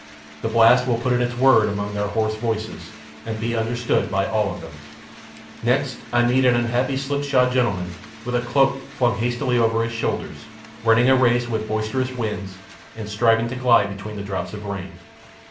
The blast will put in its word among their hoarse voices, and be understood by all of them. Next I meet an unhappy slipshod gentleman, with a cloak flung hastily over his shoulders, running a race with boisterous winds, and striving to glide between the drops of rain.